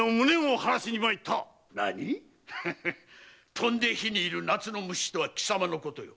「飛んで火に入る夏の虫」とはきさまのことよ。